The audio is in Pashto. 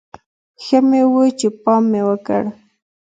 ښه مې و چې پام مې وکړ.